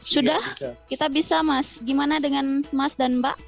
sudah kita bisa mas gimana dengan mas dan mbak